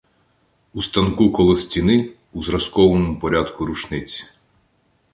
У станку коло стіни — у зразковому порядку рушниці.